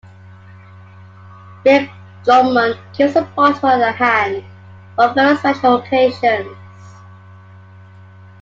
Rick Drummond keeps a bottle at hand for very special occasions.